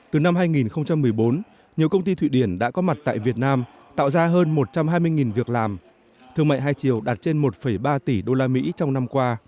từ năm hai nghìn một mươi bốn nhiều công ty thụy điển đã có mặt tại việt nam tạo ra hơn một trăm hai mươi việc làm thương mại hai chiều đạt trên một ba tỷ usd trong năm qua